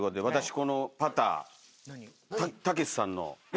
このパターたけしさんの。